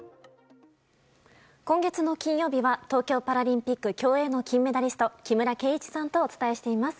今月の金曜日は東京パラリンピック競泳の金メダリスト木村敬一さんとお伝えしています。